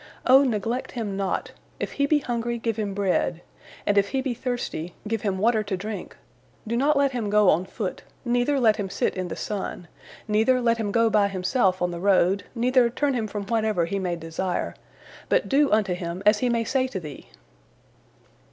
O neglect him not. If he be hungry, give him bread, and if he be thirsty, give him water to drink; do not let him go on foot, neither let him sit in the sun, neither let him go by himself on the road, neither turn him from whatever he may desire, but do unto him as he may say to thee."